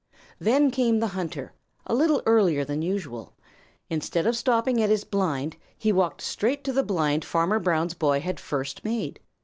Then came the hunter a little earlier than usual. Instead of stopping at his blind, he walked straight to the blind Farmer Brown's boy had first made.